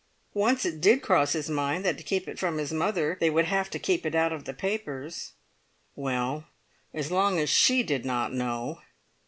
Once it did cross his mind that to keep it from his mother they would have to keep it out of the papers. Well, as long as she did not know!